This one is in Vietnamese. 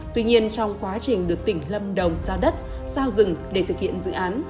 tuy nhiên trong quá trình được tỉnh lâm đồng giao đất giao rừng để thực hiện dự án